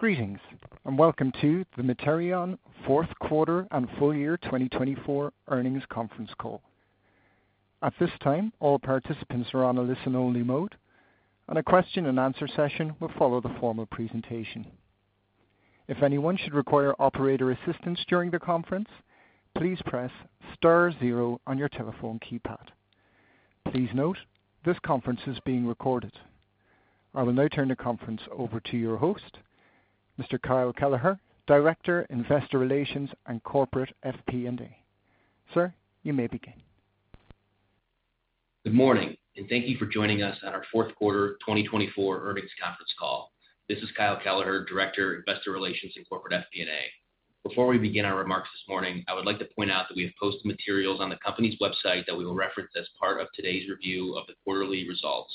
Greetings and welcome to the Materion Q4 and Full year 2024 Earnings Conference Call. At this time all participants are on a listen only mode and a question and answer session will follow the formal presentation. If anyone should require operator assistance during the conference, please press star zero on your telephone keypad. Please note this conference is being recorded. I will now turn the conference over to your host, Mr. Kyle Kelleher, Director, Investor Relations and Corporate FP&A. Sir, you may begin. Good morning and thank you for joining us on our Q4 2024 Earnings Conference Call. This is Kyle Kelleher, Director, Investor Relations and Corporate FP&A. Before we begin our remarks this morning, I would like to point out that we have posted materials on the company's website that we will reference as part of today's review of the quarterly results.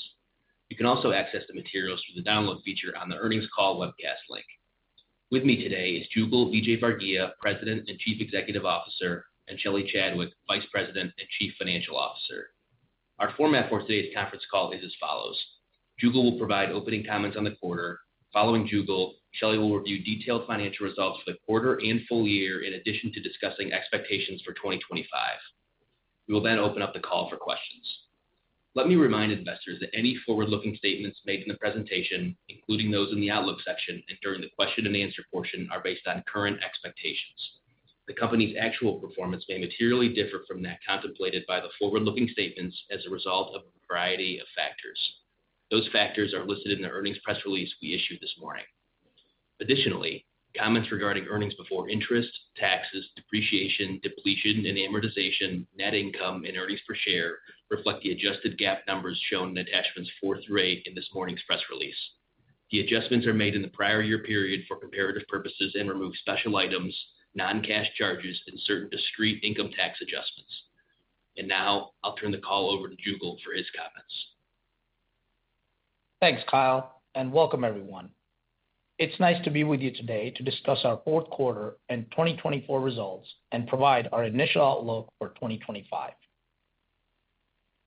You can also access the materials through the download feature on the Earnings Call webcast link. With me today is Jugal Vijayvargiya, President and Chief Executive Officer and Shelly Chadwick, Vice President and Chief Financial Officer. Our format for today's conference call is as follows. Jugal will provide opening comments on the quarter. Following Jugal, Shelly will review detailed financial results for the quarter and full year. In addition to discussing expectations for 2025, we will then open up the call for questions. Let me remind investors that any forward looking statements made in the presentation including those in the Outlook section and during the question and answer portion are based on current expectations. The company's actual performance may materially differ from that contemplated by the forward looking statements as a result of a variety of factors. Those factors are listed in the earnings press release we issued this morning. Additionally, comments regarding earnings before interest, taxes, depreciation, depletion and amortization, net income and earnings per share reflect the adjusted GAAP numbers shown in attachments 4 through 8 in this morning's press release. The adjustments are made in the prior year period for comparative purposes and remove special items, non-cash charges and certain discrete income tax adjustments. Now I'll turn the call over to Jugal for his comments. Thanks Kyle and welcome everyone. It's nice to be with you today to discuss our Q4 and 2024 results and provide our initial outlook for 2025.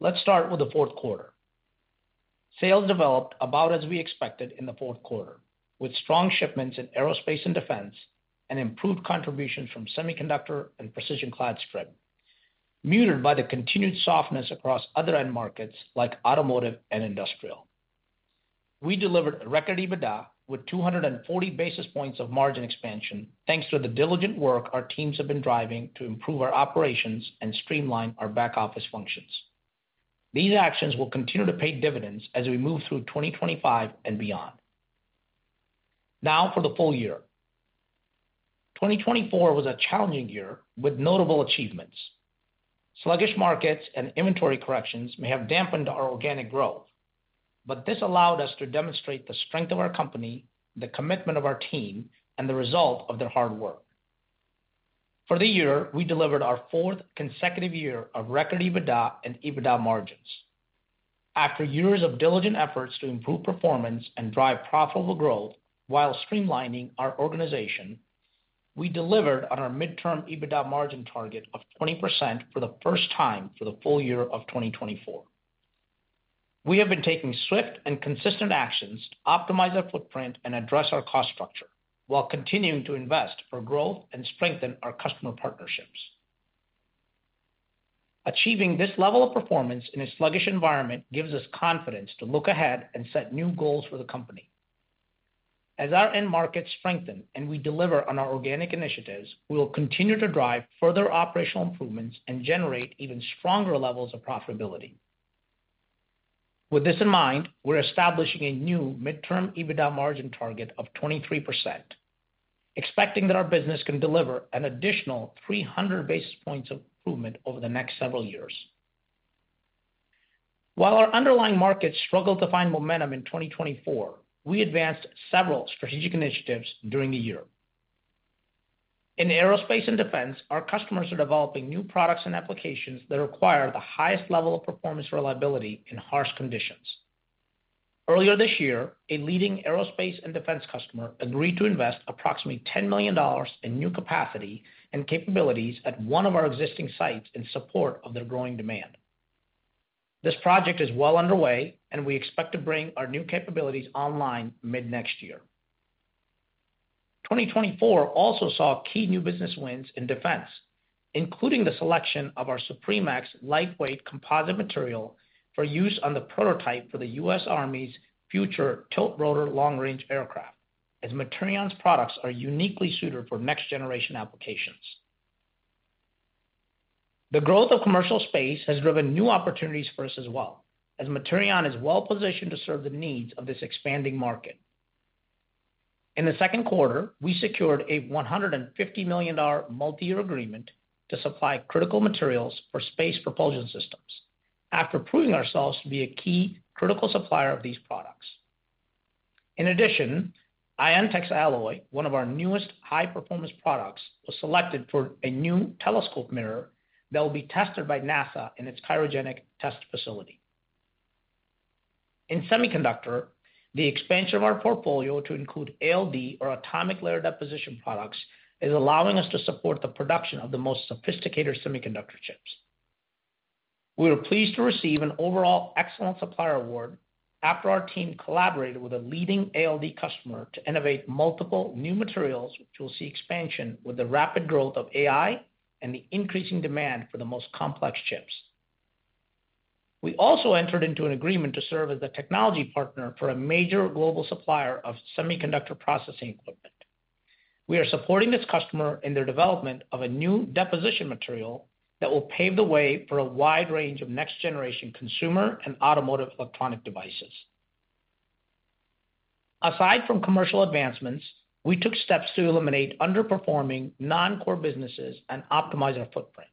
Let's start with the Q4. Sales developed about as we expected in the Q4 with strong shipments in aerospace and defense and improved contributions from semiconductor and Precision Clad Strip muted by the continued softness across other end markets like automotive and industrial. We delivered a record EBITDA with 240 basis points of margin expansion thanks to the diligent work our teams have been driving to improve our operations and streamline our back office functions. These actions will continue to pay dividends as we move through 2025 and beyond. Now for the full year, 2024 was a challenging year with notable achievements. Sluggish markets and inventory corrections may have dampened our organic growth but this allowed us to demonstrate the strength of our company, the commitment of our team and the result of their hard work. For the year, we delivered our fourth consecutive year of record EBITDA and EBITDA margins. After years of diligent efforts to improve performance and drive profitable growth while streamlining our organization, we delivered on our midterm EBITDA margin target of 20% for the first time for the full year of 2024. We have been taking swift and consistent actions to optimize our footprint and address our cost structure while continuing to invest for growth and strengthen our customer partnerships. Achieving this level of performance in a sluggish environment gives us confidence to look ahead and set new goals for the company. As our end markets strengthen and we deliver on our organic initiatives, we will continue to drive further operational improvements and generate even stronger levels of profitability. With this in mind, we're establishing a new midterm EBITDA margin target of 23%, expecting that our business can deliver an additional 300 basis points improvement over the next several years. While our underlying markets struggle to find momentum in 2024, we advanced several strategic initiatives during the year. In aerospace and defense, our customers are developing new products and applications that require the highest level of performance reliability in harsh conditions. Earlier this year, a leading aerospace and defense customer agreed to invest approximately $10 million in new capacity and capabilities at one of our existing sites in support of their growing demand. This project is well underway and we expect to bring our new capabilities online mid next year. 2024 also saw key new business wins in defense, including the selection of our SupremEX lightweight composite material for use on the prototype for the US Army's future tiltrotor long range aircraft. As Materion's products are uniquely suited for next generation applications. The growth of commercial space has driven new opportunities for us well, as Materion is well positioned to serve the needs of this expanding market. In the Q2, we secured a $150 million multi-year agreement to supply critical materials for space propulsion systems after proving ourselves to be a key critical supplier of these products. In addition, AyontEX Alloy, one of our newest high-performance products, was selected for a new telescope mirror that will be tested by NASA in its cryogenic test facility. In semiconductor the expansion of our portfolio to include ALD or atomic layer deposition products is allowing us to support the production of the most sophisticated semiconductor chips. We were pleased to receive an overall Excellent Supplier award after our team collaborated with a leading ALD customer to innovate multiple new materials which will see expansion with the rapid growth of AI and the increasing demand for the most complex chips. We also entered into an agreement to serve as the technology partner for a major global supplier of semiconductor processing equipment. We are supporting this customer in their development of a new deposition material that will pave the way for a wide range of next generation consumer and automotive electronic devices. Aside from commercial advancements, we took steps to eliminate underperforming non-core businesses and optimize our footprint.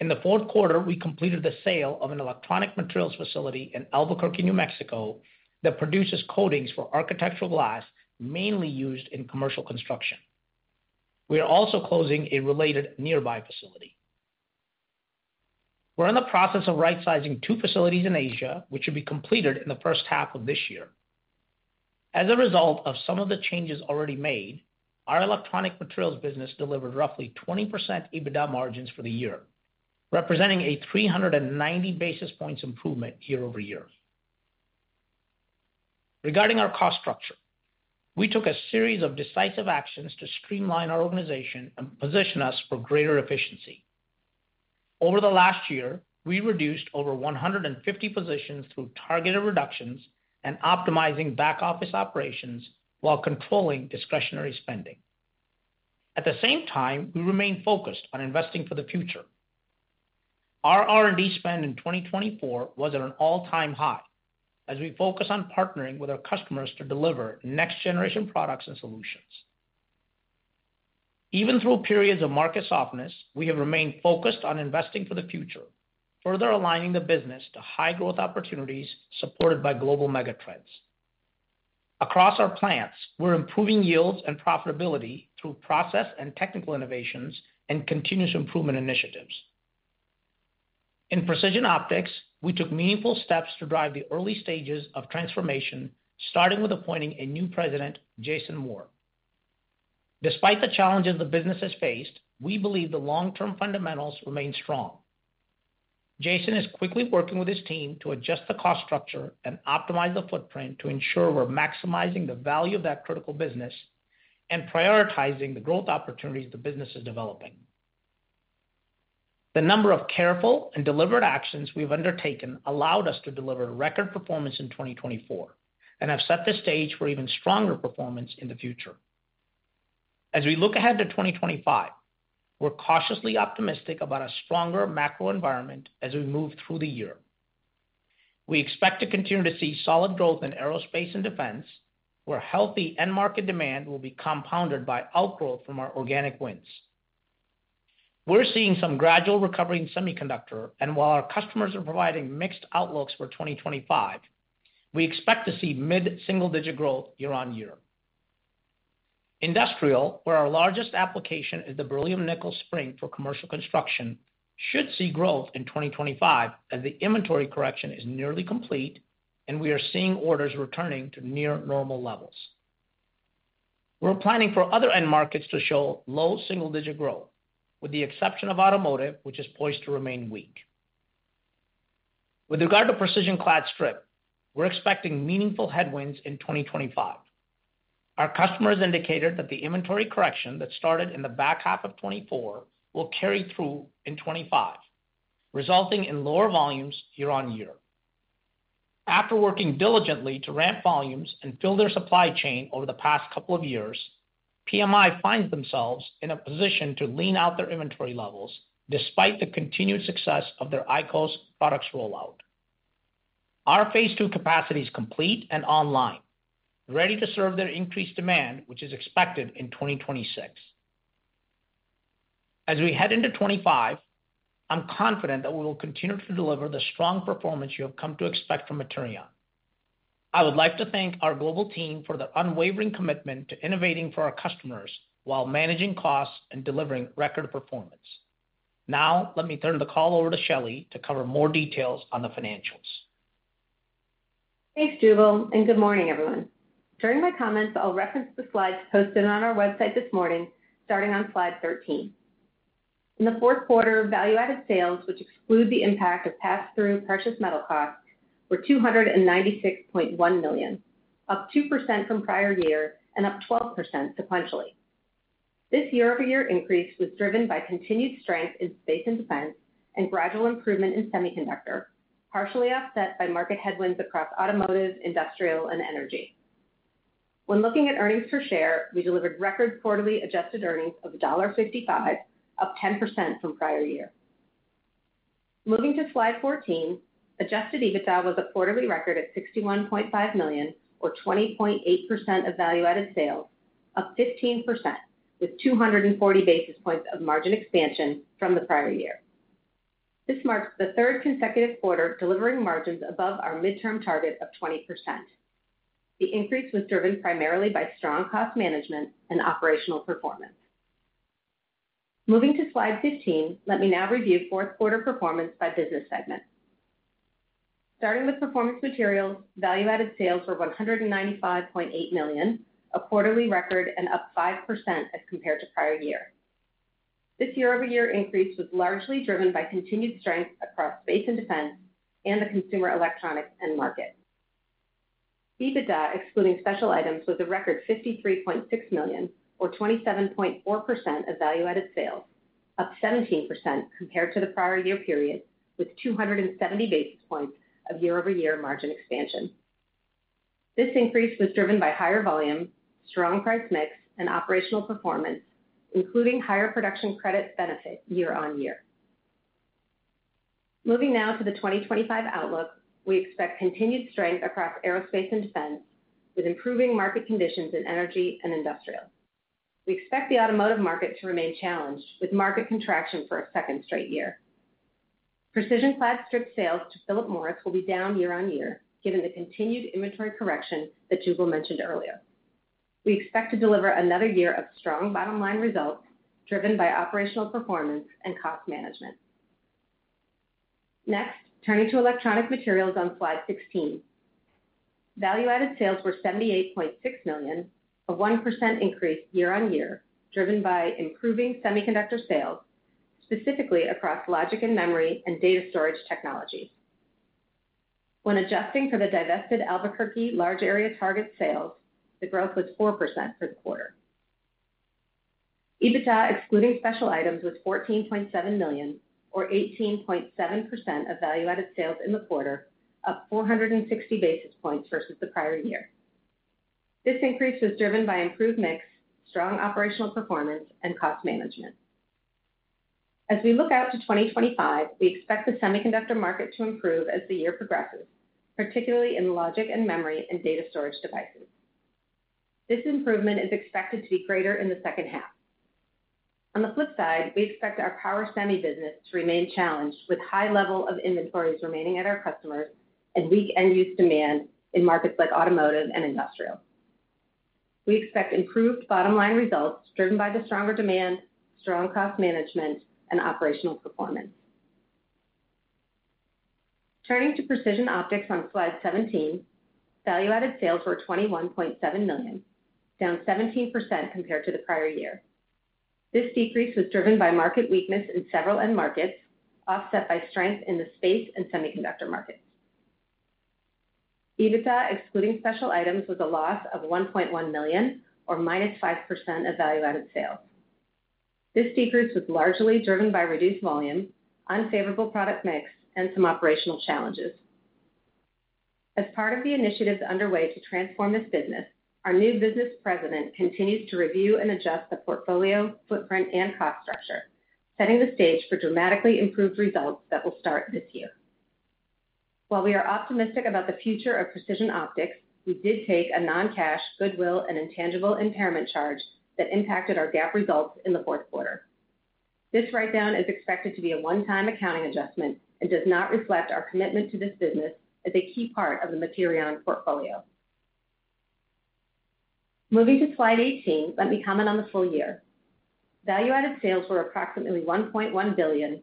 In the Q4 we completed the sale of an Electronic Materials facility in Albuquerque, New Mexico that produces coatings for architectural glass mainly used in commercial construction. We are also closing a related nearby facility. We're in the process of rightsizing two facilities in Asia which should be completed in the first half of this year. As a result of some of the changes already made, our Electronic Materials business delivered roughly 20% EBITDA margins for the year representing a 390 basis points improvement year-over-year. Regarding our cost structure, we took a series of decisive actions to streamline our organization and position us for greater efficiency. Over the last year, we reduced over 150 positions through targeted reductions and optimizing back-office operations while controlling discretionary spending. At the same time, we remain focused on investing for the future. Our R&D spend in 2024 was at an all-time high as we focus on partnering with our customers to deliver next-generation products and solutions. Even through periods of market softness, we have remained focused on investing for the future, further aligning the business to high growth opportunities supported by global megatrends. Across our plants, we're improving yields and profitability through process and technical innovations and continuous improvement initiatives. In Precision Optics, we took meaningful steps to drive the early stages of transformation, starting with appointing a new president, Jason Moore. Despite the challenges the business has faced, we believe the long-term fundamentals remain strong. Jason is quickly working with his team to adjust the cost structure and optimize the footprint to ensure we're maximizing the value of that critical business and prioritizing the growth opportunities the business is developing. The number of careful and deliberate actions we've undertaken allowed us to deliver record performance in 2024 and have set the stage for even stronger performance in the future. As we look ahead to 2025, we're cautiously optimistic about a stronger macro environment as we move through the year. We expect to continue to see solid growth in aerospace and defense where healthy end market demand will be compounded by outgrowth from our organic wins. We're seeing some gradual recovery in semiconductor and while our customers are providing mixed outlooks for 2025, we expect to see mid single digit growth year-on-year. Industrial where our largest application is the beryllium nickel spring for commercial construction should see growth in 2025 as the inventory correction is nearly complete and we are seeing orders returning to near normal levels. We're planning for other end markets to show low single-digit growth with the exception of automotive which is poised to remain weak. With regard to Precision Clad Strip, we're expecting meaningful headwinds in 2025. Our customers indicated that the inventory correction that started in the back half of 24 will carry through in 25, resulting in lower volumes year-on-year. After working diligently to ramp volumes and fill their supply chain over the past couple of years, PMI finds themselves in a position to lean out their inventory levels despite the continued success of their IQOS products rollout. Our phase two capacity is complete and online ready to serve their increased demand which is expected in 2026. As we head into 25, I'm confident that we will continue to deliver the strong performance you have come to expect from Materion. I would like to thank our global team for their unwavering commitment to innovating for our customers while managing costs and delivering record performance. Now let me turn the call over to Shelly to cover more details on the financials. Thanks Jugal and good morning everyone. During my comments I'll reference the slides posted on our website this morning starting on Slide 13. In the Q4, value added sales, which exclude the impact of pass-through precious metal costs were $296.1 million up 2% from prior year and up 12% sequentially. This year-over-year increase was driven by continued strength in space and defense and gradual improvement in semiconductor partially offset by market headwinds across automotive, industrial and energy. When looking at earnings per share, we delivered record quarterly adjusted earnings of $1.55 up 10% from prior year. Moving to Slide 14, adjusted EBITDA was a quarterly record at $61.5 million or 20.8% of value added sales up 15% with 240 basis points of margin expansion from the prior year. This marks the third consecutive quarter delivering margins above our midterm target of 20%. The increase was driven primarily by strong cost management and operational performance. Moving to Slide 15, let me now review Q4 performance by business segment. Starting with Performance Materials value added sales were $195.8 million, a quarterly record and up 5% as compared to prior year. This year-over-year increase was largely driven by continued strength across space and defense and the consumer electronics end market. EBITDA excluding special items was a record $53.6 million or 27.4% of value added sales up 17% compared to the prior year period with 270 basis points of year-over-year margin expansion. This increase was driven by higher volume, strong price mix and operational performance including higher production credit benefit year-on-year. Moving now to the 2025 outlook, we expect continued strength across aerospace and defense with improving market conditions in energy and industrial. We expect the automotive market to remain challenged with market contraction for a second straight year. Precision Clad Strip sales to Philip Morris will be down year-on-year given the continued inventory correction that Jugal mentioned earlier. We expect to deliver another year of strong bottom line results driven by operational performance and cost management. Next turning to Electronic Materials on Slide 16, value added sales were $78.6 million a 1% increase year on year driven by improving semiconductor sales specifically across logic and memory and data storage technologies. When adjusting for the divested Albuquerque, large area target sales, the growth was 4% for the quarter. EBITDA excluding special items was $14.7 million or 18.7% of value-added sales in the quarter up 460 basis points versus the prior year. This increase was driven by improved mix, strong operational performance and cost management. As we look out to 2025, we expect the semiconductor market to improve as the year progresses particularly in logic and memory and data storage devices. This improvement is expected to be greater in the second half. On the flip side, we expect our power semi business to remain challenged with high level of inventories remaining at our customers and weak end use demand in markets like automotive and industrial. We expect improved bottom line results driven by the stronger demand, strong cost management and operational performance. Turning to Precision Optics on Slide 17, value-added sales were $21.7 million down 17% compared to the prior year. This decrease was driven by market weakness in several end markets offset by strength in the space and semiconductor markets. EBITDA excluding special items was a loss of $1.1 million or minus 5% of value-added sales. This decrease was largely driven by reduced volume, unfavorable product mix and some operational challenges. As part of the initiatives underway to transform this business, our new business President continues to review and adjust the portfolio footprint and cost structure setting the stage for dramatically improved results that will start this year. While we are optimistic about the future of Precision Optics, we did take a non-cash goodwill and intangible impairment charge that impacted our GAAP results in the Q4. This write-down is expected to be a one-time accounting adjustment and does not reflect our commitment to this business as a key part of the Materion portfolio. Moving to Slide 18, let me comment on the full year. Value added sales were approximately $1.1 billion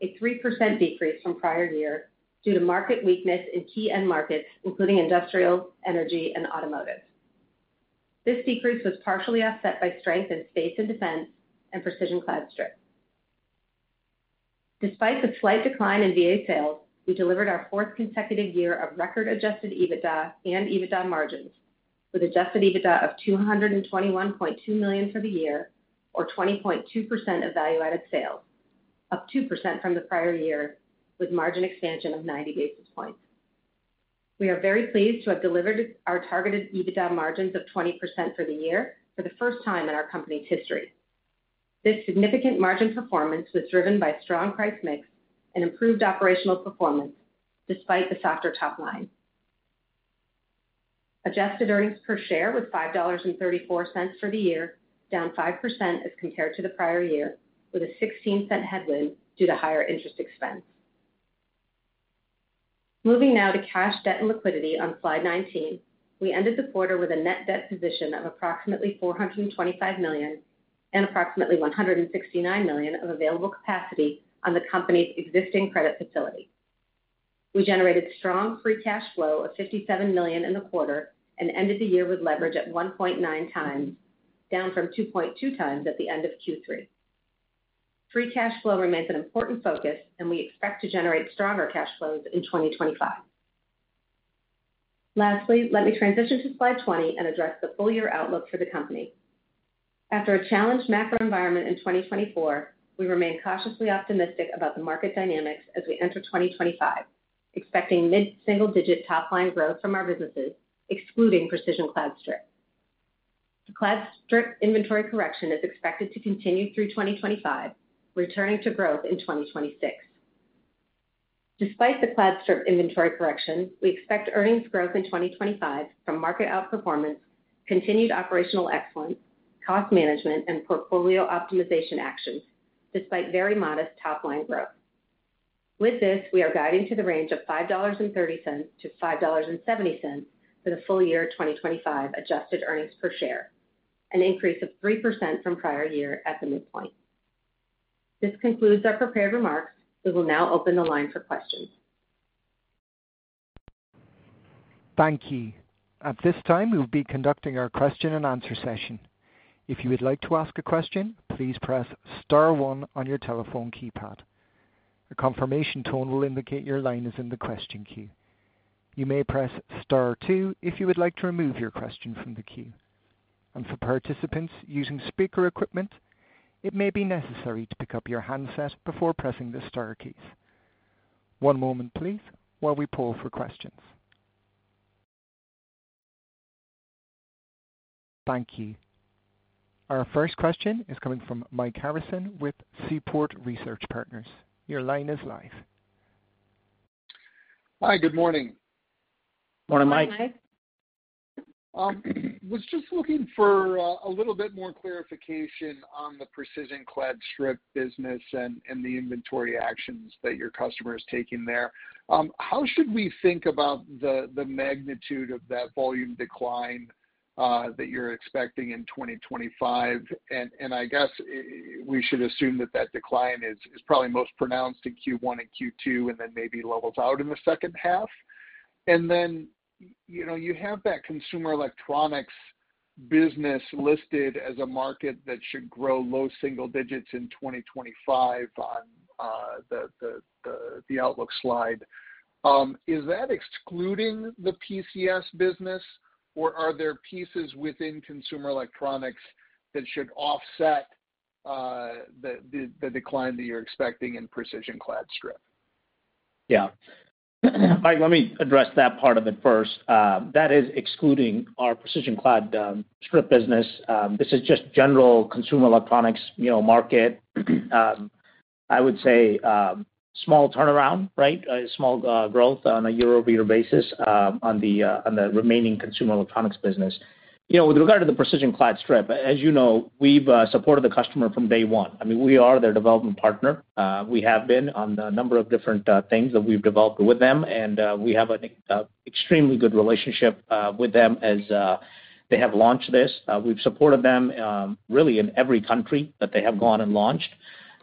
a 3% decrease from prior year due to market weakness in key end markets including industrial, energy, and automotive. This decrease was partially offset by strength in space and defense and Precision Clad Strip. Despite the slight decline in VA sales, we delivered our fourth consecutive year of record adjusted EBITDA and EBITDA margins with adjusted EBITDA of $221.2 million for the year or 20.2% of value added sales up 2% from the prior year with margin expansion of 90 basis points. We are very pleased to have delivered our targeted EBITDA margins of 20% for the year for the first time in our company's history. This significant margin performance was driven by strong price mix and improved operational performance despite the softer top line. Adjusted earnings per share with $5.34 for the year down 5% as compared to the prior year with a $0.16 headwind due to higher interest expense. Moving now to cash debt and liquidity on Slide 19, we ended the quarter with a net debt position of approximately $425 million and approximately $169 million of available capacity on the company's existing credit facility. We generated strong free cash flow of $57 million in the quarter and ended the year with leverage at 1.9 times down from 2.2 times at the end of Q3. Free cash flow remains an important focus and we expect to generate stronger cash flows in 2025. Lastly, let me transition to Slide 20 and address the full year outlook for the company. After a challenged macro environment in 2024, we remain cautiously optimistic about the market dynamics as we enter 2025 expecting mid single-digit top-line growth from our businesses excluding Precision Clad Strip. The Clad Strip Inventory correction is expected to continue through 2025, returning to growth in 2026. Despite the Clad Strip Inventory correction, we expect earnings growth in 2025 from market outperformance, continued operational excellence, cost management and portfolio optimization actions despite very modest top-line growth. With this we are guiding to the range of $5.30 to 5.70 for the full year 2025 adjusted earnings per share an increase of 3% from prior year at the midpoint. This concludes our prepared remarks. We will now open the line for questions. Thank you. At this time we will be conducting our Q&A session. If you would like to ask a question, please press star one on your telephone keypad. A confirmation tone will indicate your line is in the question queue. You may press star two if you would like to remove your question from the queue. And for participants using speaker equipment, it may be necessary to pick up your handset before pressing the star keys. One moment please, while we poll for questions. Thank you. Our first question is coming from Mike Harrison with Seaport Research Partners. Your line is live. Hi, good morning. Was just looking for a little bit more clarification on the Precision Clad Strip business and the inventory actions that your customer is taking there. How should we think about the magnitude of that volume decline that you're expecting in 2025? And I guess we should assume that that decline is probably most pronounced in Q1 and Q2 and then maybe levels out in the second half. And then, you know, you have that consumer electronics business listed as a market that should grow low single digits in 2025 on the outlook slide, is that excluding the PCS business or are there pieces within consumer electronics that should offset? The decline that you're expecting in Precision Clad Strip? Yeah, Mike, let me address that part of it first. That is excluding our Precision Clad Strip business. This is just general consumer electronics market. I would say small turnaround, right? Small growth on a year-over-year basis. On the remaining consumer electronics business. With regard to the Precision Clad Strip, as you know, we've supported the customer from day one. I mean we are their development partner. We have been on a number of different things that we've developed with them and we have an extremely good relationship with them. As they have launched this. We've supported them really in every country that they have gone and launched.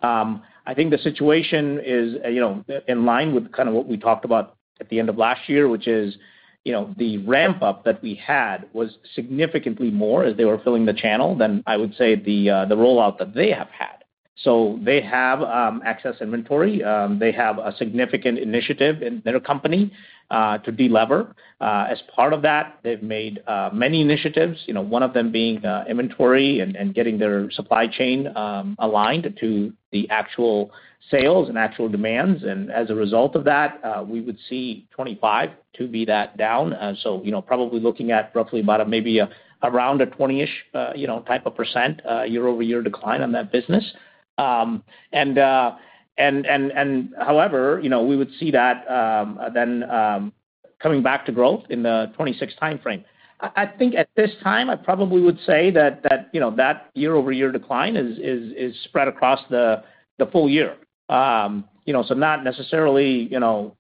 I think the situation is, you know, in line with kind of what we talked about at the end of last year, which is, you know, the ramp up that we had was significantly more as they were filling the channel than I would say the rollout that they have had. So they have excess inventory. They have a significant initiative in their company to delever as part of that. They've made many initiatives, you know, one of them being inventory and getting their supply chain aligned to the actual sales and actual demands and as a result of that, we would see 25 to be that down so, you know, probably looking at roughly about maybe around a 20ish type of % year-over-year decline on that business. However, we would see that then coming back to growth in the 26 time frame. I think at this time, I probably would say that that year-over-year decline is spread across the full year. So not necessarily, you know,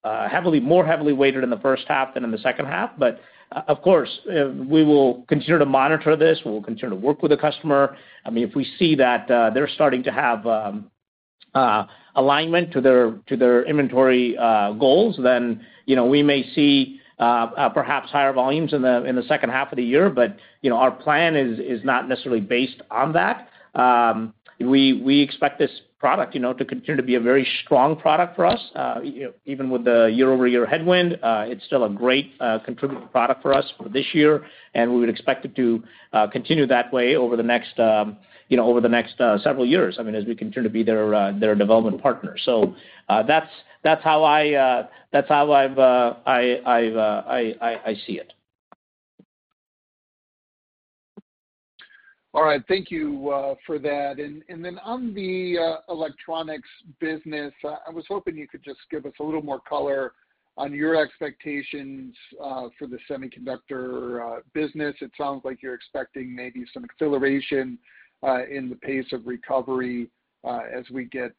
more heavily weighted in the first half than in the second half. But of course we will continue to monitor this. We'll continue to work with the customer. I mean, if we see that they're starting to have alignment to their inventory goals then we may see perhaps higher volumes in the second half of the year. But our plan is not necessarily based on that. We expect this product to continue to be a very strong product for us even with the year-over-year headwind. It's still a great contributing product for us for this year and we would expect it to continue that way over the next several years, I mean, as we continue to be their development partner. So that's how I see it. All right, thank you for that and then on the electronics business, I was hoping you could just give us a little more color on your expectations for the semiconductor business. It sounds like you're expecting maybe some acceleration in the pace of recovery as we get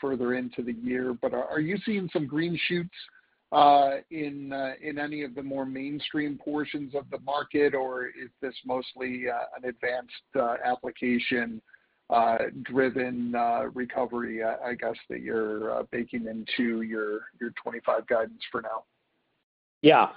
further into the year but are you seeing some green shoots in any of the more mainstream portions of the market or is this mostly an advanced application driven recovery? I guess that you're baking into your 2025 guidance for now. Yeah.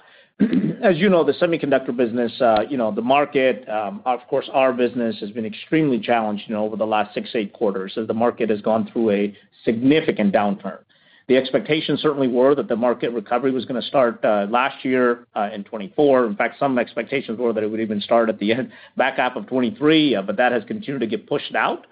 As you know the semiconductor business, you know the market, of course, our business has been extremely challenged over the last six, eight quarters as the market has gone through a significant downturn. The expectations certainly were that the market recovery was going to start last year in 24. In fact, some expectations were that it would even start at the back half of 23, but that has continued to get pushed out.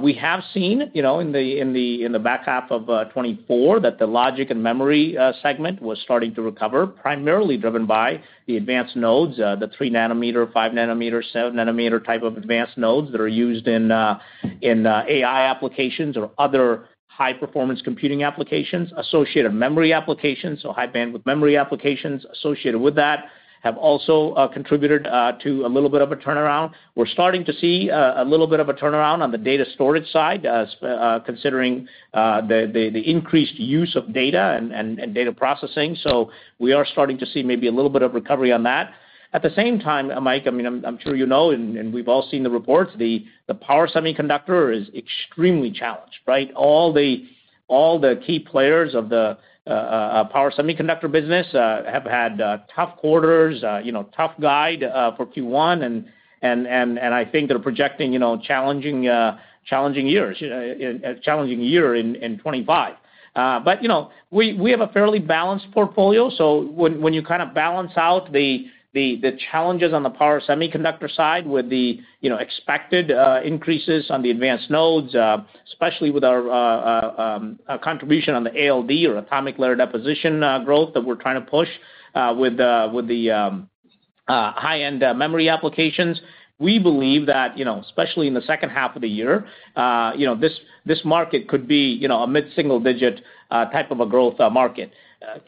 We have seen, you know, in the back half of 24 that the logic and memory segment was starting to recover primarily driven by the advanced nodes, the three nanometer, five nanometer, seven nanometer type of advanced nodes that are used in AI applications or other high performance computing applications, associated memory applications. So high bandwidth memory applications associated with that have also contributed to a little bit of a turnaround. We're starting to see a little bit of a turnaround on the data storage side considering the increased use of data and data processing so we are starting to see maybe a little bit of recovery on that. At the same time, Mike, I mean, I'm sure, you know, and we've all seen the reports, the power semiconductor is extremely challenged, right. All the key players of the power semiconductor business have had tough quarters, tough guide for Q1, and I think they're projecting challenging years, challenging year in 25, but we have a fairly balanced portfolio. So when you balance out the challenges on the power semiconductor side with the expected increases on the advanced nodes especially with our contribution on the ALD or atomic layer deposition growth that we're trying to push with the high end memory applications we believe that especially in the second half of the year, this market could be a mid single digit type of a growth market.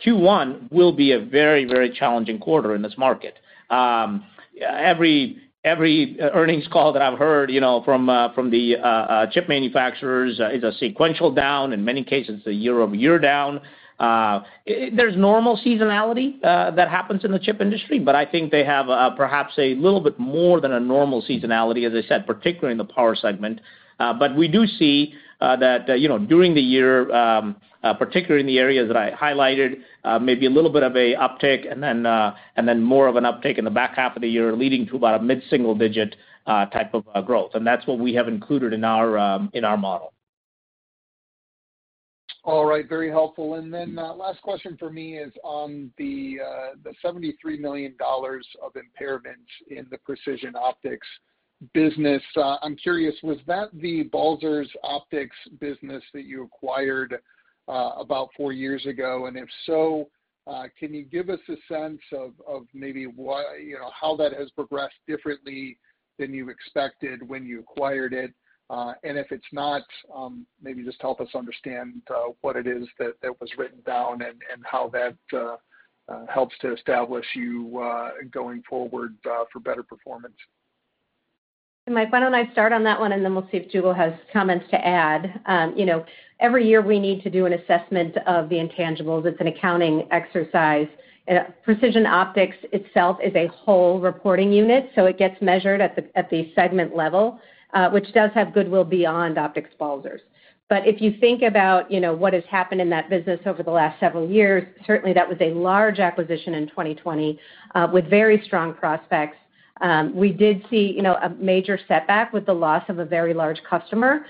Q1 will be a very, very challenging quarter in this market. Every earnings call that I've heard from the chip manufacturers is a sequential down, in many cases a year-over-year down. There's normal seasonality that happens in the chip industry, but I think they have perhaps a little bit more than a normal seasonality, as I said, particularly in the power segment. But we do see that during the year, particularly in the areas that I highlighted, maybe a little bit of a uptick and then more of an uptick in the back half of the year leading to about a mid single digit type of growth and that's what we have included in our model. All right, very helpful and then last question for me is on the $73 million of impairments in the Precision Optics business. I'm curious, was that the Balzers Optics business that you acquired about four years ago, and if so, can you give us a sense of maybe how that has progressed differently than you expected when you acquired it? And if it's not, maybe just help us understand what it is that was written down and how that helps to establish you going forward for better performance? Mike, why don't I start on that one and then we'll see if Jugal has comments to add. You know, every year we need to do an assessment of the intangibles, it's an accounting exercise. Precision Optics itself is a whole reporting unit so it gets measured at the segment level which does have goodwill beyond Optics Balzers. But if you think about, you know, what has happened in that business over the last several years, certainly that was a large acquisition in 2020 with very strong prospects. We did see a major setback with the loss of a very large customer,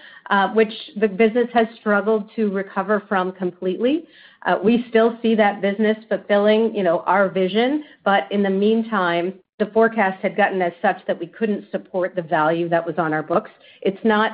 which the business has struggled to recover from completely. We still see that business fulfilling our vision but in the meantime the forecast had gotten as such that we couldn't support the value that was on our books. It's not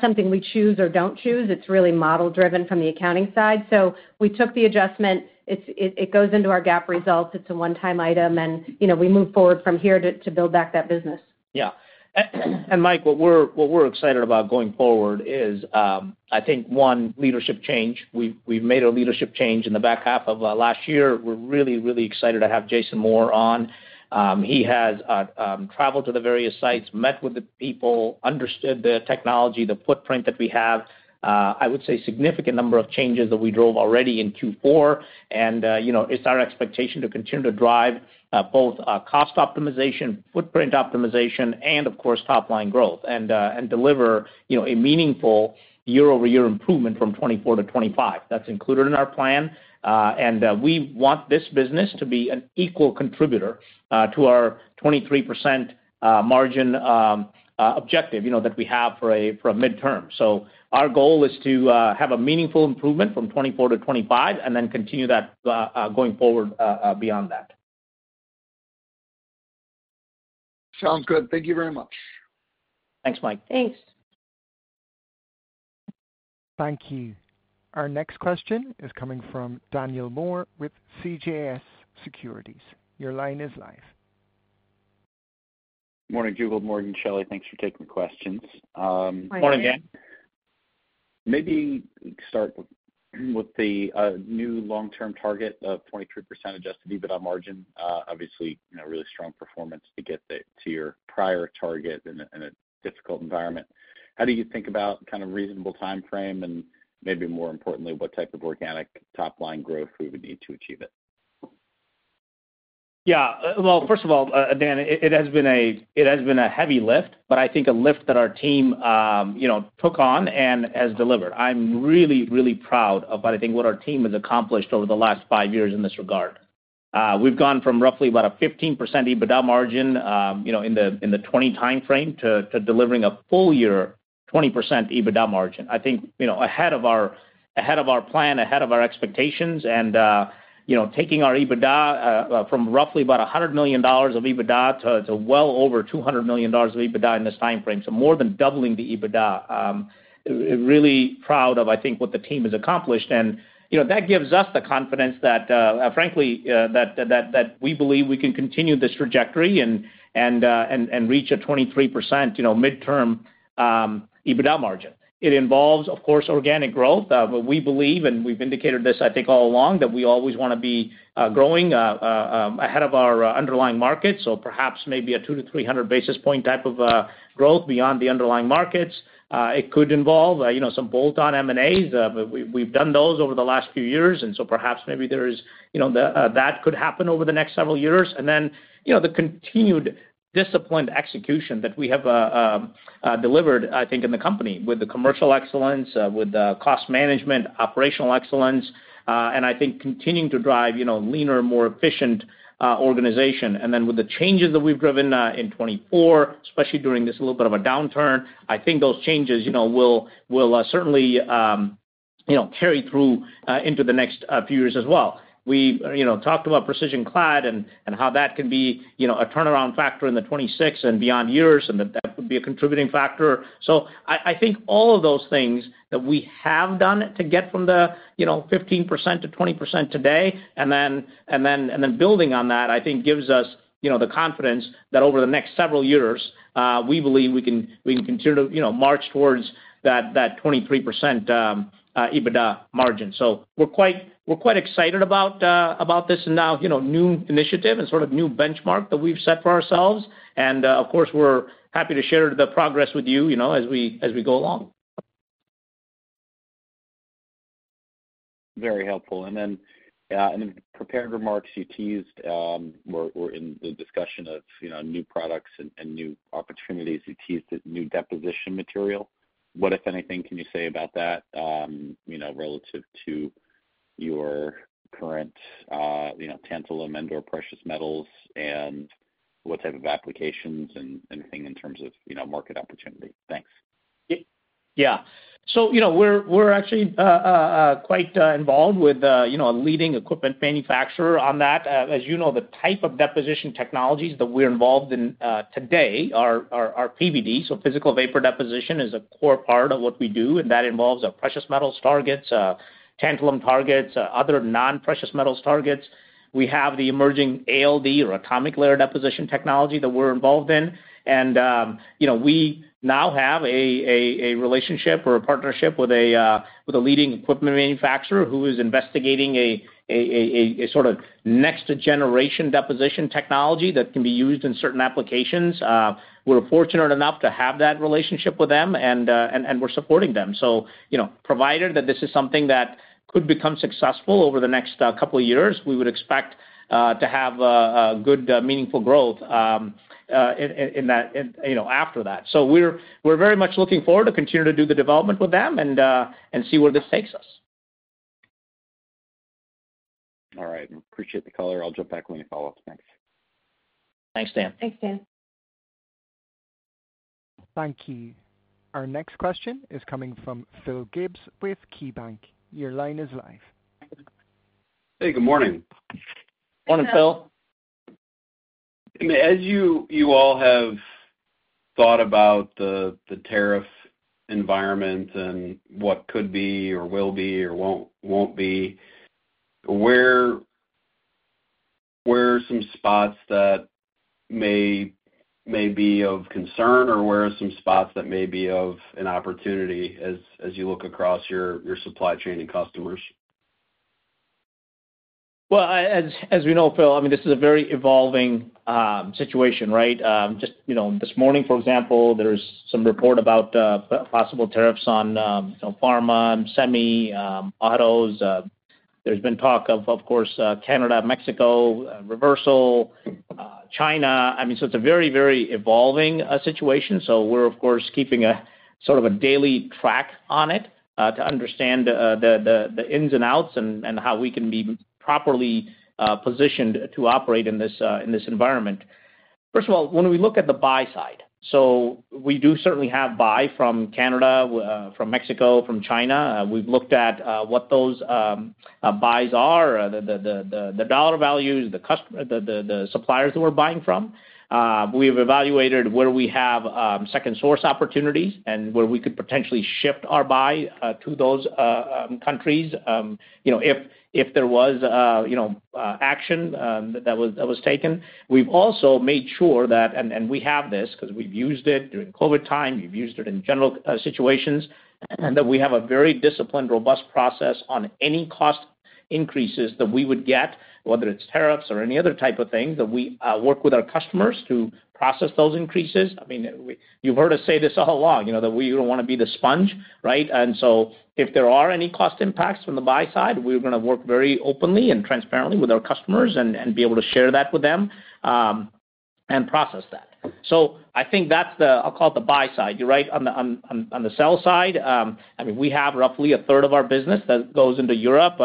something we choose or don't choose. It's really model-driven from the accounting side. So we took the adjustment, it goes into our GAAP results. It's a one-time item and we move forward from here to build back that business. Yeah, and Mike, what we're excited about going forward is I think one leadership change, we've made a leadership change in the back half of last year. We're really, really excited to have Jason Moore on. He has traveled to the various sites, met with the people, understood the technology, the footprint that we have, I would say significant number of changes that we drove already in Q4. And you know, it's our expectation to continue to drive both cost optimization, footprint optimization and of course top line growth and deliver, you know, a meaningful year-over-year improvement from 24 to 25 that's included in our plan and we want this business to be an equal contributor to our 23% margin objective, you know, that we have for a midterm. Our goal is to have a meaningful improvement from 24 to 25 and then continue that going forward beyond that. Sounds good. Thank you very much. Thanks, Mike. Thanks. Thank you. Our next question is coming from Daniel Moore with CJS Securities. Your line is live. Morning, Jugal, morning, Shelly, thanks for taking the questions. Morning, Dan. Maybe start with the new long term target of 23% adjusted EBITDA margin. Obviously really strong performance to get to your prior target in a difficult environment. How do you think about kind of reasonable timeframe and maybe more importantly what type of organic top line growth we would need to achieve it? Yeah, well, first of all, Dan, it has been a heavy lift, but I think a lift that our team took on and has delivered. I'm really, really proud of what our team has accomplished over the last five years in this regard. We've gone from roughly about a 15% EBITDA margin in the 20 timeframe to delivering a full year 20% EBITDA margin. I think ahead of our plan, ahead of our expectations and taking our EBITDA from roughly about $100 million of EBITDA to well over $200 million of EBITDA in this time frame. So more than doubling the EBITDA. Really proud of, I think, what the team has accomplished and that gives us the confidence that frankly that we believe we can continue this trajectory and reach a 23% midterm EBITDA margin. It involves, of course, organic growth and we believe, and we've indicated this, I think, all along that we always want to be growing ahead of our underlying market so perhaps maybe a 200-300 basis points type of growth beyond the underlying markets. It could involve, you know, some bolt-on M&As. We've done those over the last few years and so perhaps maybe there is, you know, that could happen over the next several years, and then, you know, the continued disciplined execution that we have delivered, I think in the company with the commercial excellence, with the cost management operational excellence, and I think continuing to drive leaner more efficient organization and then with the changes that we've driven in 24, especially during this little bit of a downturn, I think those changes will certainly carry through into the next few years as well. We talked about precision clad and how that can be a turnaround factor in the 26 and beyond years and that would be a contributing factor, so I think all of those things that we have done to get from the 15%-20% today and then building on that, I think gives us the confidence that over the next several years we believe we can continue to march towards that 23% EBITDA margin. So we're quite excited about this now new initiative and sort of new benchmark that we've set for ourselves, and of course we're happy to share the progress with you as we go along. Very helpful and then in the prepared remarks you teased, in the discussion of new products and new opportunities, you teased new deposition material. What if anything, can you say about that relative to your current tantalum and or precious metals and what type of applications and anything in terms of market opportunity? Thanks. Yeah, so we're actually quite involved with a leading equipment manufacturer on that. As you know, the type of deposition technologies that we're involved in today are PVD. So physical vapor deposition is a core part of what we do and that involves precious metals targets, tantalum targets, other non-precious metals targets. We have the emerging ALD or atomic layer deposition technology that we're involved in and we now have a relationship or a partnership with a leading equipment manufacturer who is investigating a sort of next generation deposition technology that can be used in certain applications. We're fortunate enough to have that relationship with them and we're supporting them. So provided that this is something that could become successful over the next couple of years, we would expect to have good meaningful growth. After that. So we're very much looking forward to continue to do the development with them and see where this takes us. All right. Appreciate the color. I'll jump back when you follow up. Thanks. Thanks, Dan. Thanks, Dan. Thank you. Our next question is coming from Phil Gibbs with KeyBanc. Your line is live. Hey, good morning Morning, Phil. As you all have thought about the tariff environment and what could be or will be or won't be. Where some spots that may be of concern or where are some spots that may be of an opportunity as you look across your supply chain and customers? As we know Phil, I mean this is a very evolving situation, right. Just this morning, for example, there's some report about possible tariffs on pharma semi autos. There's been talk of course, Canada, Mexico, reversal, China. I mean, so it's a very, very evolving situation. So we're of course keeping a sort of a daily track on it to understand the ins and outs and how we can be properly positioned to operate in this environment. First of all, when we look at the buy side, so we do certainly have buy from Canada, from Mexico, from China, we've looked at what those buys are, the dollar values, the suppliers that we're buying from. We have evaluated where we have second source opportunities and where we could potentially shift our buy to those countries if there was action that was taken. We've also made sure that, and we have this because we've used it during COVID time, we've used it in general situations and that we have a very disciplined, robust process on any cost increases that we would get whether it's tariffs or any other type of things that we work with our customers to process those increases. I mean you've heard us say this all along, that we don't want to be the sponge, right? And so if there are any cost impacts from the buy side, we're going to work very openly and transparently with our customers and be able to share that with them and process that. So I think that's the, I'll call it the buy side, you're right. On the sell side, I mean we have roughly a third of our business that goes into Europe.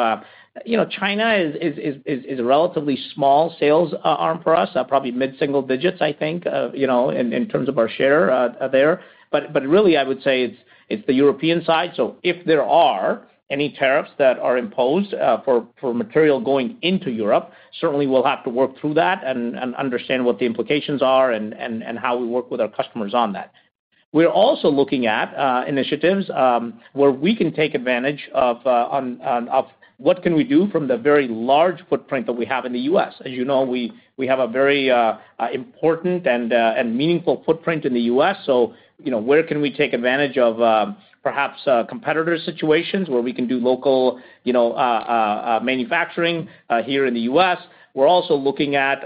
You know, China is a relatively small sales arm for us, probably mid single digits, I think, you know, in terms of our share there. But really I would say it's the European side so if there are any tariffs that are imposed for material going into Europe, certainly we'll have to work through that and understand what the implications are and how we work with our customers on that. We're also looking at initiatives where we can take advantage of what can we do from the very large footprint that we have in the US as you know, we have a very important and meaningful footprint in the US so you know, where can we take advantage of perhaps competitor situations where we can do local, you know, manufacturing here in the US We're also looking at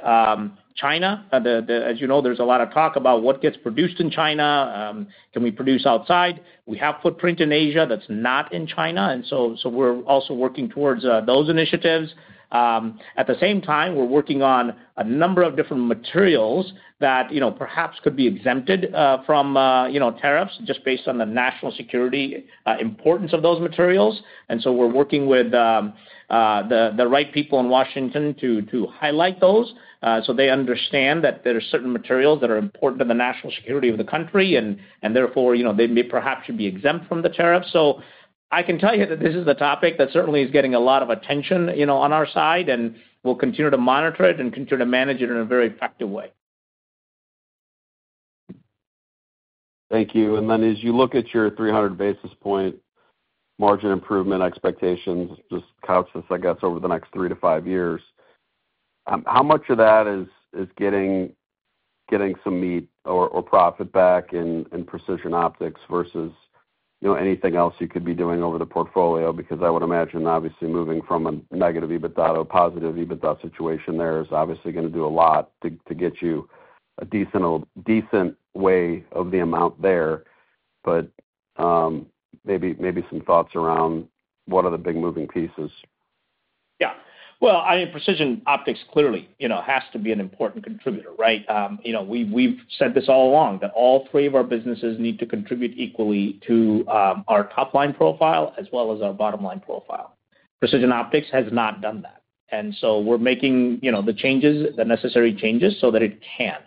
China. As you know, there's a lot of talk about what gets produced in China? Can we produce outside? We have footprint in Asia that's not in China and so we're also working towards those initiatives. At the same time, we're working on a number of different materials that perhaps could be exempted from tariffs just based on the national security importance of those materials. And so we're working with the right people in Washington to highlight those so they understand that there are certain materials that are important to the national security of the country. And therefore, you know, they may perhaps should be exempt from the tariff. So I can tell you that this is the topic that certainly is getting a lot of attention, you know, on our side. And we'll continue to monitor it and continue to manage it in a very effective way. Thank you. Then as you look at your 300 basis points margin improvement expectations, just couch this, I guess over the next three to five years, how much of that is getting some meat or profit back in Precision Optics versus anything else you could be doing over the portfolio? Because I would imagine obviously moving from a negative EBITDA to a positive EBITDA situation there is obviously going to do a lot to get you a decent way of the amount there. But maybe some thoughts around what are the big moving pieces. Yeah, well, I mean, Precision Optics clearly has to be an important contributor, right? We've said this all along that all three of our businesses need to contribute equally to our top line profile as well as our bottom line profile. Precision Optics has not done that and so we're making the changes, the necessary changes, so that it can.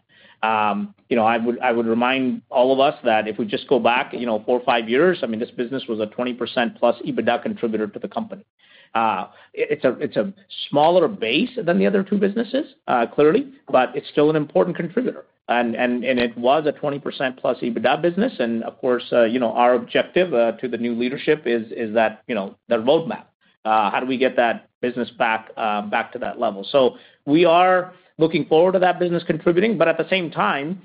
I would remind all of us that if we just go back four or five years, I mean this business was a 20% plus EBITDA contributor to the company. It's a smaller base than the other two businesses clearly, but it's still an important contributor. And it was a 20% plus EBITDA business and of course our objective to the new leadership is that roadmap. How do we get that business back to that level? So we are looking forward to that business contributing but at the same time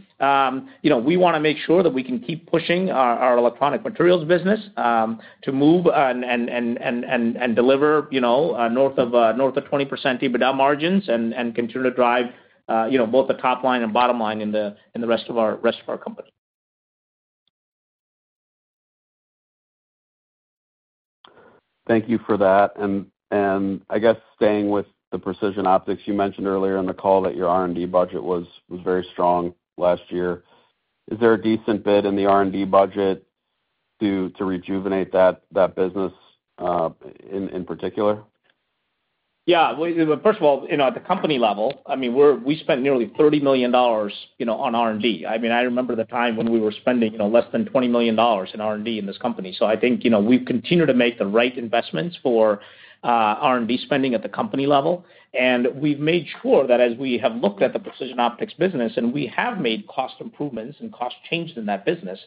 we want to make sure that we can keep pushing our Electronic Materials business to move and deliver north of 20% EBITDA margins and continue to drive both the top line and bottom line in the rest of our company. Thank you for that. And I guess staying with the Precision Optics, you mentioned earlier in the call that your R&D budget was very strong last year. Is there a decent bid in the R&D budget to rejuvenate that business in particular? Yeah. First of all, at the company level, we spent nearly $30 million on R&D. I remember the time when we were spending less than $20 million in R&D in this company. So I think we continue to make the right investments for R&D spending at the company level and we've made sure that as we have looked at the Precision Optics business and we have made cost improvements and cost changes in that business.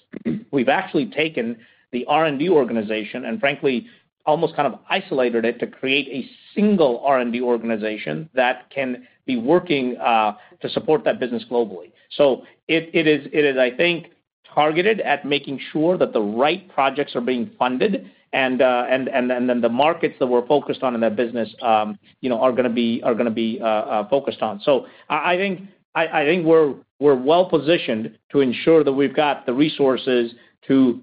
We've actually taken the R&D organization and frankly, almost kind of isolated it to create a single R&D organization that can be working to support that business globally. So it is, I think, targeted at making sure that the right projects are being funded and then the markets that we're focused on in that business are going to be focused on. So I think we're well positioned to ensure that we've got the resources to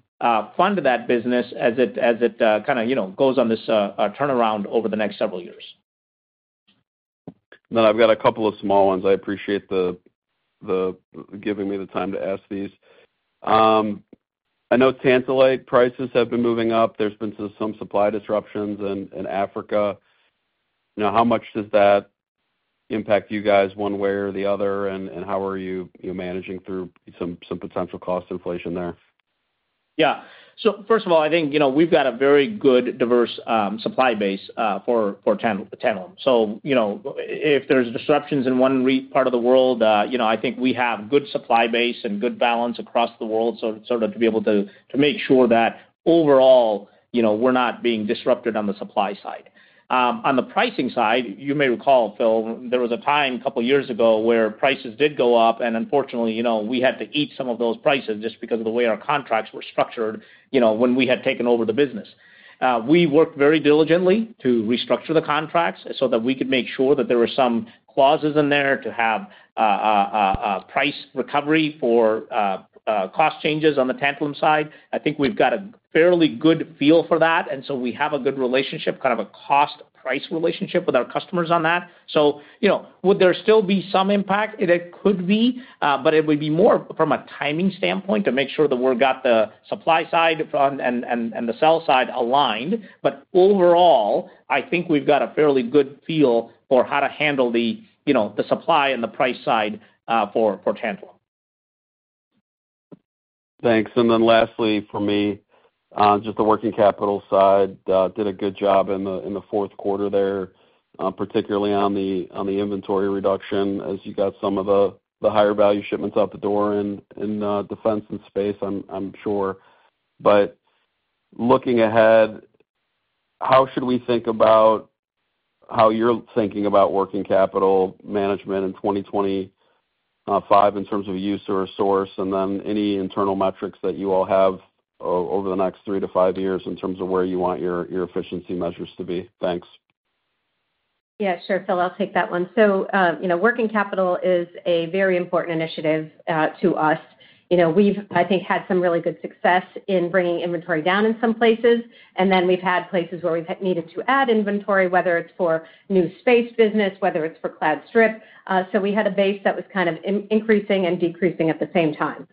fund that business as it kind of goes on this turnaround over the next several years. I've got a couple of small ones, I appreciate giving me the time to ask these. I know tantalite prices have been moving up there's been some supply disruptions in Africa. How much does that impact you guys one way or the other? And how are you managing through some potential cost inflation there? Yeah, so first of all, I think we've got a very good diverse supply base for tantalum. So if there's disruptions in one part of the world, I think we have good supply base and good balance across the world so to be able to make sure that overall we're not being disrupted on the supply side. On the pricing side, you may recall, Phil, there was a time a couple years ago where prices did go up and unfortunately we had to eat some of those prices just because of the way our contracts were structured, you know, when we had taken over the business. We worked very diligently to restructure the contracts so that we could make sure that there were some clauses in there to have price recovery for cost changes on the tantalum side. I think we've got a fairly good feel for that. And so we have a good relationship, kind of a cost price relationship with our customers on that. So would there still be some impact? It could be but it would be more from a timing standpoint to make sure that we've got the supply side and the sell side aligned. But overall, I think we've got a fairly good feel for how to handle the supply and the price side for Tantalum. Thanks and then lastly for me, just the working capital side did a good job in the Q4 there, particularly on the inventory reduction as you got some of the higher value shipments out the door in defense and space. I'm sure, but looking ahead, how should we think about how you're thinking about working capital management in 2025 in terms of use or source and then any internal metrics that you all have over the next three to five years in terms of where you want your efficiency measures to be? Thanks. Yeah, sure, Phil. I'll take that one. So, you know, working capital is a very important initiative to us. You know, we've, I think, had some really good success in bringing inventory down in some places and then we've had places where we've needed to add inventory whether it's for new space business, whether it's for Clad Strip. So we had a base that was kind of increasing and decreasing at the same time,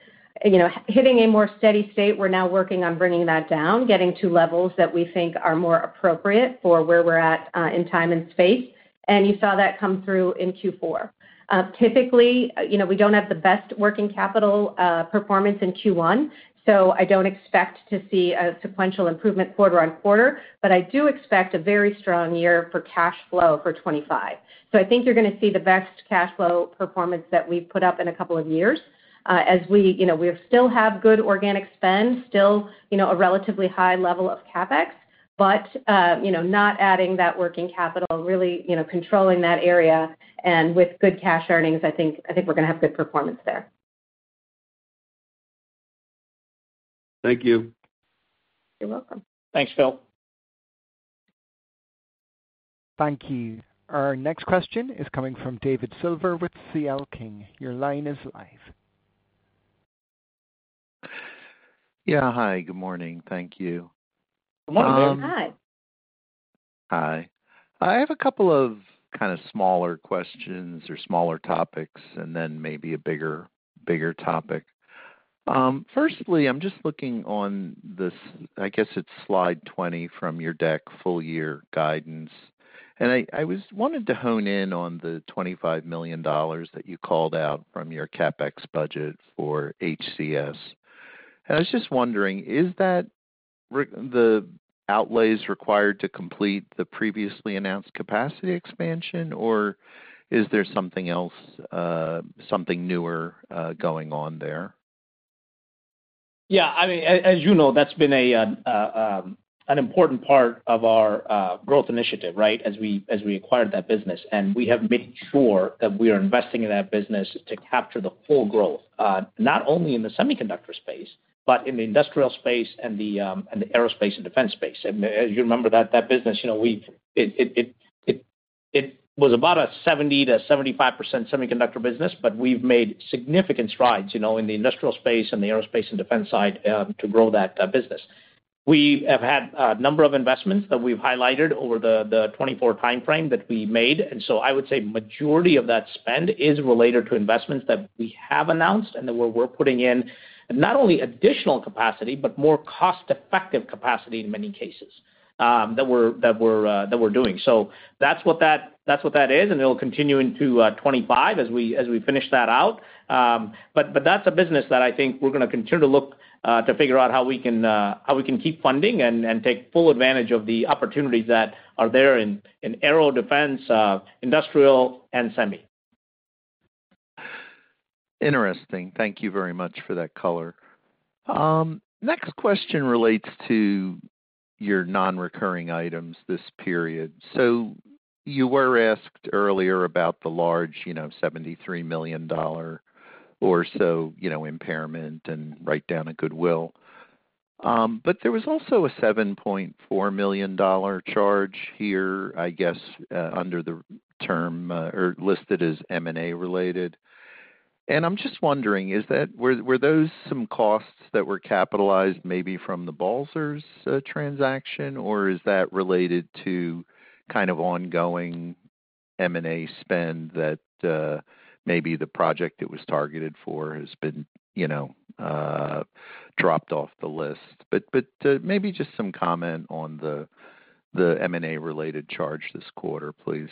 you know, hitting a more steady state. We're now working on bringing that down, getting to levels that we think are more appropriate for where we're at in time and space. And you saw that come through in Q4. Typically, you know, we don't have the best working capital performance in Q1, so I don't expect to see a sequential improvement quarter-on-quarter but I do expect a very strong year for cash flow for 2025. So I think you're going to see the best cash flow performance that we've put up in a couple of years as we, you know, we still have good organic spend, still, you know, a relatively high level of CapEx, but, you know, not adding that working capital, really, you know, controlling that area and with good cash earnings, I think, I think we're going to have good performance there. Thank you. You're welcome. Thanks, Phil. Thank you. Our next question is coming from David Silver with CL King. Your line is live. Yeah. Hi. Good morning. Thank you. Good morning. Hi. Hi. I have a couple of kind of smaller questions or smaller topics and then maybe a bigger, bigger topic. Firstly, I'm just looking on this, I guess it's slide 20 from your deck full-year guidance. And I wanted to hone in on the $25 million that you called out from your CapEx budget for HCS. I was just wondering, is that the outlays required to complete the previously announced capacity expansion or is there something else something newer going on there? Yeah, I mean, as you know, that's been an important part of our growth initiative, right. As we, as we acquired that business and we have made sure that we are investing in that business to capture the full growth not only in the semiconductor space but in the industrial space and the aerospace and defense space. As you remember that business, you know, we, it was about a 70% to 75% semiconductor business but we've made significant strides, you know, in the industrial space and the aerospace and defense side to grow that business. We have had a number of investments that we've highlighted over the 24 timeframe that we made and so I would say majority of that spend is related to investments that we have announced and where we're putting in not only additional capacity but more cost effective capacity in many cases. That we're doing, so that's what that is, and it'll continue into 2025 as we finish that out, but that's a business that I think we're going to continue to look to figure out how we can keep funding and take full advantage of the opportunities that are there in aero, defense, industrial and semi. Interesting. Thank you very much for that color. Next question relates to your non-recurring items this period. So you were asked earlier about the large $73 million or so, you know, impairment and write-down of goodwill. But there was also a $7.4 million charge here, I guess under the term or listed as M&A related and I'm just wondering is that were those some costs that were capitalized maybe from the Balzers transaction? Or is that related to kind of ongoing M&A spend that maybe the project it was targeted for has been, you know, dropped off the list. But maybe just some comment on the M&A related charge this quarter, please.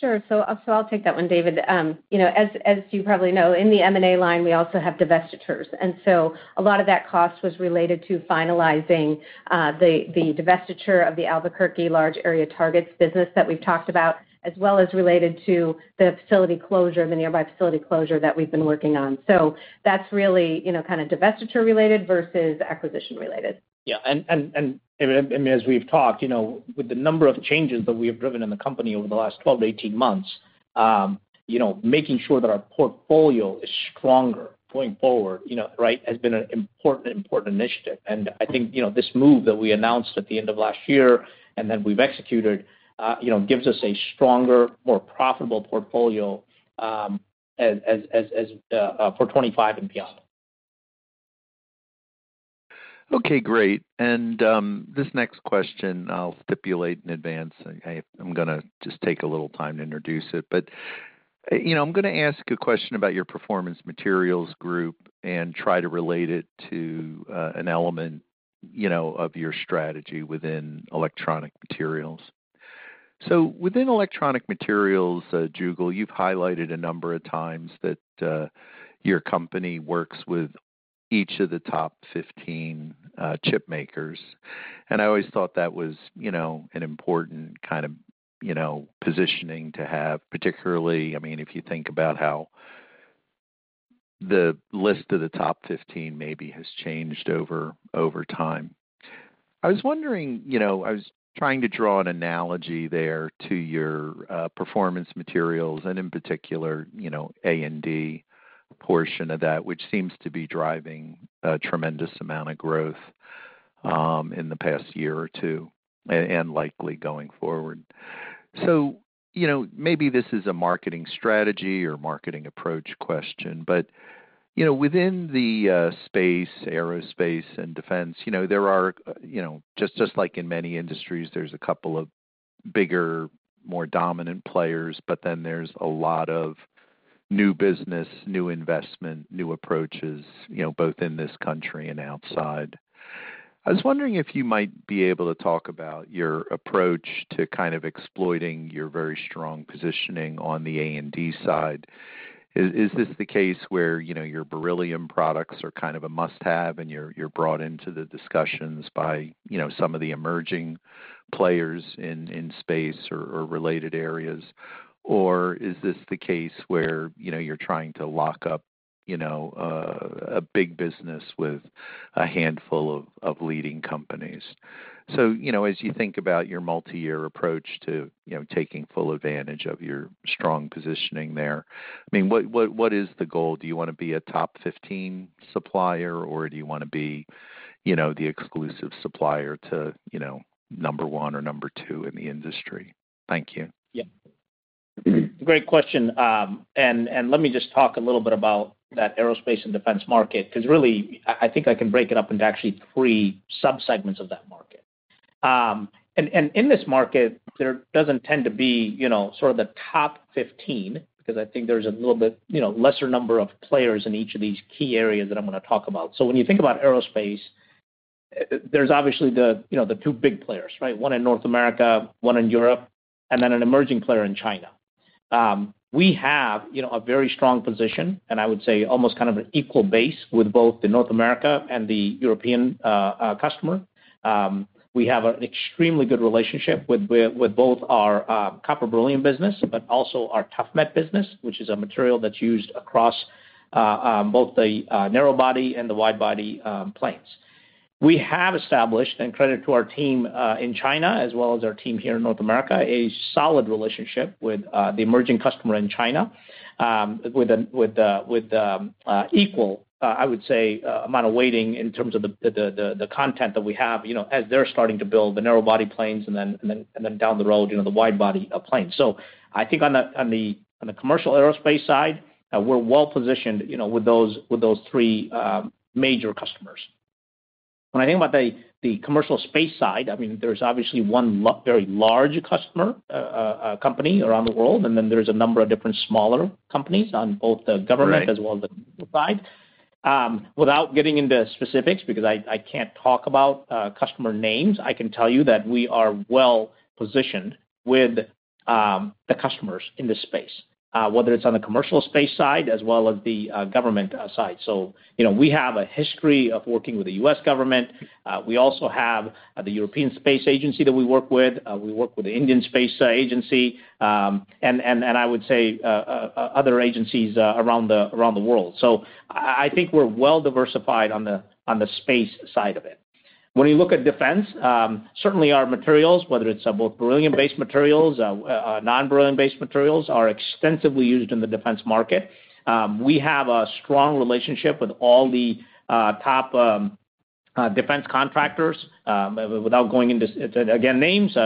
Sure. So I'll take that one, David. You know, as you probably know, in the M&A line we also have divestitures and so a lot of that cost was related to finalizing the divestiture of the Albuquerque large area targets business that we've talked about as well as related to the facility closure the nearby facility closure that we've been working on. So that's really kind of divestiture related versus acquisition related. Yeah, and as we've talked with the number of changes that we have driven in the company over the last 12-18 months, making sure that our portfolio is stronger going forward has been an important, important initiative. And I think this move that we announced at the end of last year and then we've executed gives us a stronger, more profitable portfolio for 2025 and beyond. Okay, great and this next question I'll stipulate in advance. I'm going to just take a little time to introduce it. But I'm going to ask a question about your Performance Materials group and try to relate it to an element, you know, of your strategy within Electronic Materials. So within Electronic Materials Jugal, you've highlighted a number of times that your company works with each of the top 15 chip makers and I always thought that was, you know, an important kind of, you know, positioning to have. Particularly, I mean, if you think about how the list of the top 15 maybe has changed over time. I was wondering, you know, I was trying to draw an analogy there to your Performance Materials and in particular, you know, A and D portion of that which seems to be driving a tremendous amount of growth in the past year or two and likely going forward. So you know, maybe this is a marketing strategy or marketing approach question, but you know, within the space, aerospace and defense, you know, there are, you know, just, just like in many industries, there's a couple of bigger, more dominant players, but then there's a lot of new business, new investment, new approaches, you know, both in this country and outside. I was wondering if you might be able to talk about your approach to kind of exploiting your very strong positioning on the A and D side. Is this the case where your beryllium products are kind of a must have and you're brought into the discussions by some of the emerging players in space or related areas? Or is this the case where you're trying to lock up a big business with a handful of leading companies? So as you think about your multi year approach to, you know, taking full advantage of your strong positioning there, I mean, what, what is the goal? Do you want to be a top 15 supplier or do you want to be, you know, the exclusive supplier to, you know, number1 or number two in the industry? Thank you. Yeah, great question. And let me just talk a little bit about that aerospace and defense market because really I think I can break it up into actually three subsegments of that market. In this market, there doesn't tend to be the top 15 because I think there's a little bit lesser number of players in each of these key areas that I'm going to talk about. When you think about aerospace, there's obviously the two big players, one in North America, one in Europe, and then an emerging player in China. We have a very strong position and I would say almost kind of an equal base with both the North America and the European customer. We have an extremely good relationship with both our Copper Beryllium business but also our ToughMet business which is a material that's used across both the narrow body and the wide body planes. We have established and credit to our team in China as well as our team here in North America, a solid relationship with the emerging customer in China. With equal, I would say, amount of weighting in terms of the content that we have as they're starting to build the narrow body planes and then down the road the wide body planes. So I think on the commercial aerospace side, we're well positioned with those three major customers. When I think about the commercial space side, I mean there's obviously one very large companies around the world and then there's a number of different smaller companies on both the government as well as the side. Without getting into specifics, because I can't talk about customer names, I can tell you that we are well positioned with the customers in this space whether it's on the commercial space side as well as the government side. So you know, we have a history of working with the US Government, we also have the European Space Agency that we work with, we work with the Indian Space Agency and I would say other agencies around the world. So I think we're well diversified on the space side of it. When you look at defense, certainly our materials, whether it's both beryllium based materials, non beryllium based materials, are extensively used in the defense market. We have a strong relationship with all the top defense contractors without going into again names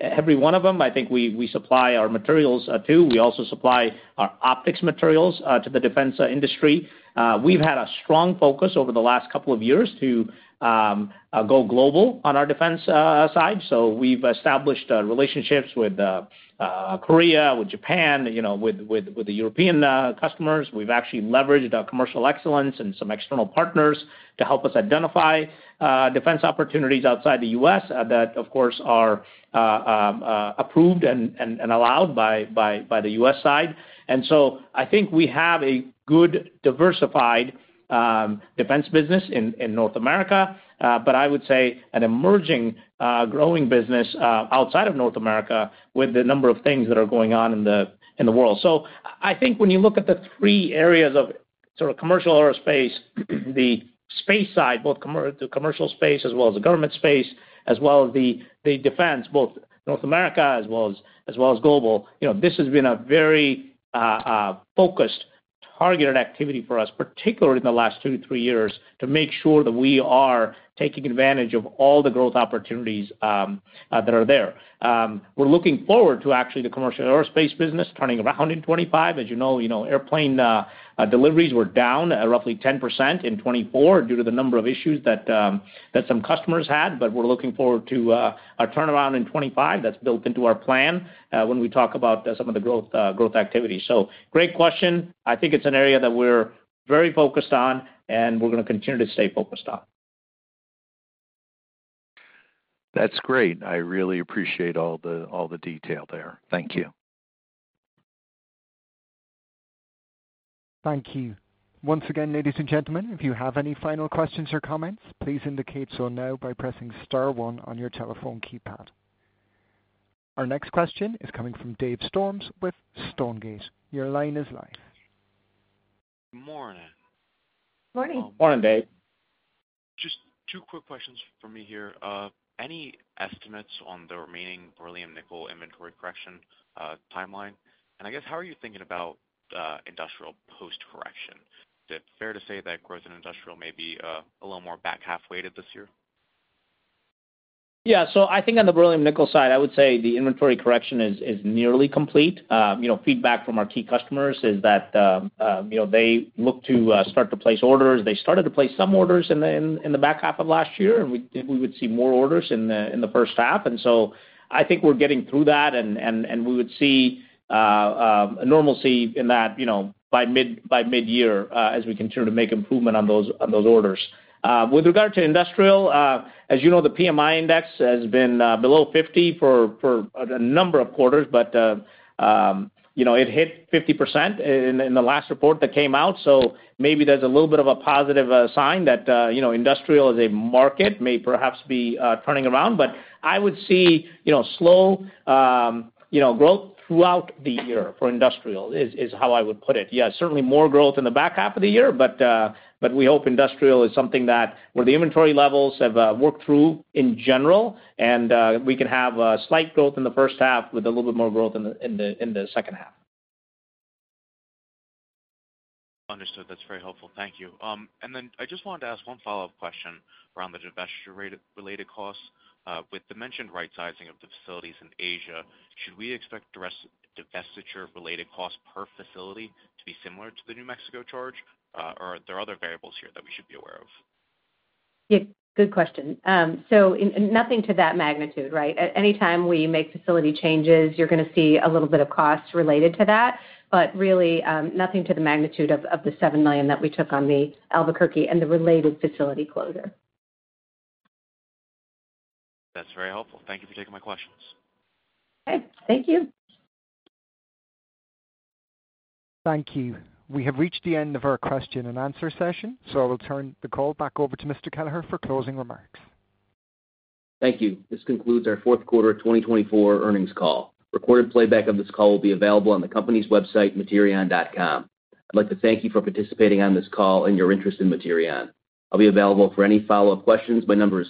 every one of them. I think we supply our materials to, we also supply our optics materials to the defense industry. We've had a strong focus over the last couple of years to go global on our defense side. So we've established relationships with Korea, with Japan, with the European customers. We've actually leveraged commercial excellence and some external partners to help us identify defense opportunities outside the US that of course are approved and allowed by the US side. And so I think we have a good diversified defense business in North America but I would say an emerging growing business outside of North America with the number of things that are going on in the world. So I think when you look at the three areas of sort of commercial aerospace, the space side, both commercial space as well as the government space as well as the defense both North America as well as global, you know, this has been a very focused, targeted activity for us, particularly in the last two to three years to make sure that we are taking advantage of all the growth opportunities that are there. We're looking forward to actually the commercial aerospace business turning around in 25, as you know, you know, OEMs, airplane deliveries were down roughly 10% in due to the number of issues that some customers had but we're looking forward to a turnaround in 25 that's built into our plan when we talk about some of the growth activities. So, great question. I think it's an area that we're very focused on and we're going to continue to stay focused on. That's great. I really appreciate all the detail there. Thank you. Thank you. Once again, ladies and gentlemen, if you have any final questions or comments, please indicate so now by pressing star one on your telephone keypad. Our next question is coming from Dave Storms with Stonegate. Your line is live. Morning. Morning. Morning Dave. Just two quick questions for me here. Any estimates on the remaining beryllium nickel inventory correction timeline? And I guess how are you thinking about industrial post correction? Is it fair to say that growth in industrial maybe a little more back half weighted this year? Yeah. I think on the beryllium nickel side I would say the inventory correction is nearly complete. You know, feedback from our key customers is that, you know, they look to start to place orders. They started to place some orders in, the back half of last year. We would see more orders in the first half and so I think we're getting through that and we would see a normalcy in that by mid-year as we continue to make improvement on those orders. With regard to industrial, as you know, the PMI index has been below 50 for a number of quarter but it hit 50% in the last report that came out, so maybe there's a little bit of a positive sign that industrial as a market may perhaps be turning around but I would see slow growth throughout the year for industrial is how I would put it. Yes, certainly more growth in the back half of the year but we hope industrial is something that where the inventory levels have worked through in general and we can have slight growth in the first half with a little bit more growth in the second half. Understood, that's very helpful, thank you. And then I just wanted to ask one follow up question around the divestiture related costs. With the mentioned rightsizing of the facilities in Asia, should we expect divestiture related costs per facility to be similar to the New Mexico charge or are there other variables here that we should be aware of? Good question. So nothing to that magnitude, right. Anytime we make facility changes, you're going to see a little bit of cost related to that but really nothing to the magnitude of the $7 million that we took on the Albuquerque and the related facility closure. That's very helpful. Thank you for taking my questions. Okay, thank you. Thank you. We have reached the end of our question and answer session, so I will turn the call back over to Mr. Kelleher for closing remarks. Thank you. This concludes our Q4 2024 Earnings Call. Recorded playback of this call will be available on the company's website, Materion.com. I'd. Like to thank you for participating on this call and your interest in Materion. I'll be available for any follow-up questions. My number is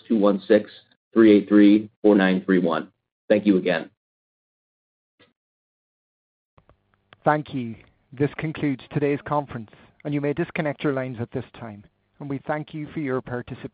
216-383-4931. Thank you again. Thank you. This concludes today's conference and you may disconnect your lines at this time and we thank you for your participation.